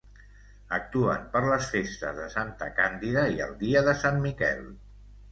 Actuen per les festes de Santa Càndida i el dia de Sant Miquel.